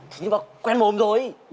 nhưng mà quen mồm rồi